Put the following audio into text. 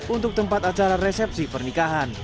untuk tempat acara resepsi pernikahan